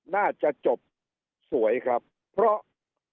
น่าจะจบสวยครับเพราะ